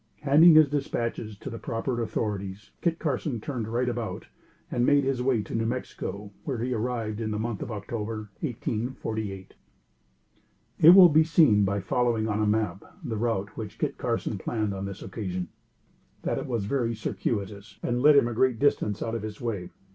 Handing his dispatches to the proper authorities, Kit Carson turned right about and made his way to New Mexico, where he arrived in the month of October, 1848. It will be seen by following on a map the route which Kit Carson planned on this occasion, that it was very circuitous, and led him a great distance out of his way.